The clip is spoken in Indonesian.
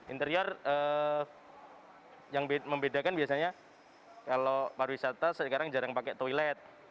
interior yang membedakan biasanya kalau pariwisata sekarang jarang pakai toilet